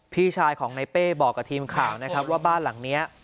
พี่ชายของในเป้บอกกับทีมข่าวนะครับว่าบ้านหลังนี้